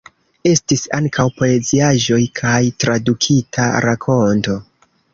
Estis ankaŭ poeziaĵoj kaj tradukita rakonto.